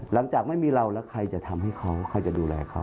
หลังจากไม่มีเราแล้วใครจะทำให้เขาใครจะดูแลเขา